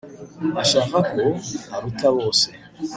ashaka ko aruta bose